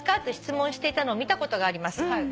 と質問していたのを見たことがあります。